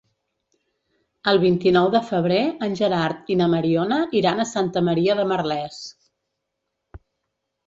El vint-i-nou de febrer en Gerard i na Mariona iran a Santa Maria de Merlès.